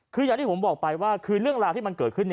คืออย่างที่ผมบอกไปว่าคือเรื่องราวที่มันเกิดขึ้น